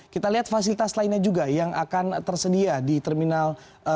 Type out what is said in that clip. kita lihat fasilitas lainnya juga yang akan tersedia di terminal